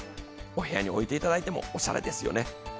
お部屋に置いていただいてもおしゃれですね。